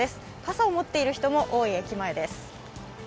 傘を持っている人も多い駅前です。